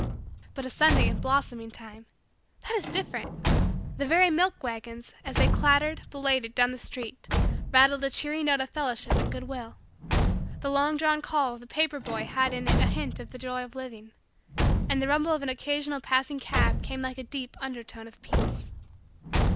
But a Sunday in blossoming time! That is different! The very milk wagons, as they clattered, belated, down the street rattled a cheery note of fellowship and good will. The long drawn call of the paper boy had in it a hint of the joy of living. And the rumble of an occasional passing cab came like a deep undertone of peace.